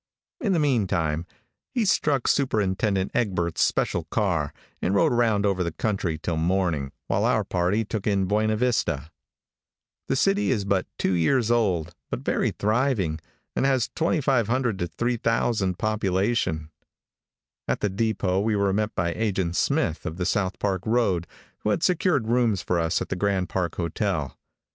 In the meantime, he struck Superintendent Egbert's special car, and rode around over the country till morning, while our party took in Buena Vista. The city is but two years old, but very thriving, and has 2,500 to 3,000 population. At the depot we were met by Agent Smith, of the South Park road, who had secured rooms for us at the Grand Park hotel.